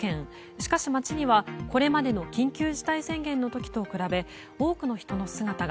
しかし街にはこれまでの緊急事態宣言の時と比べ多くの人の姿が。